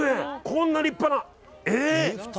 こんな立派なえー！